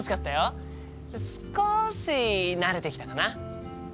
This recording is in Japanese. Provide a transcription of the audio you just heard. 少し慣れてきたかな。